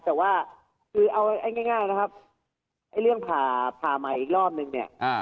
แต่ว่าคือเอาง่ายนะครับไอ้เรื่องผ่าผ่าใหม่อีกรอบนึงเนี่ย